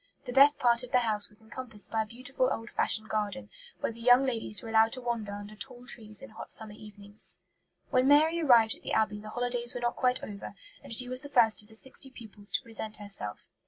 The best part of the house was encompassed by a beautiful old fashioned garden, where the young ladies were allowed to wander under tall trees in hot summer evenings." When Mary arrived at the Abbey the holidays were not quite over, and she was the first of the sixty pupils to present herself.